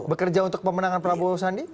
bekerja untuk pemenangan prabowo dan bang sandi